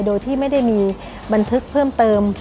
โดยที่ไม่ได้มีบันทึกเพิ่มเติม